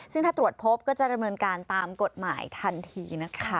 ซึ่งถ้าตรวจพบก็จะดำเนินการตามกฎหมายทันทีนะคะ